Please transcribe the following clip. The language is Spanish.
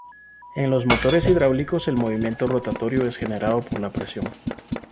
En los motores hidráulicos el movimiento rotatorio es generado por la presión.